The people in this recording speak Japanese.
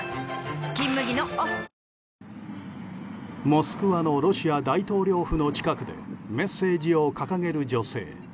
モスクワのロシア大統領府の近くでメッセージを掲げる女性。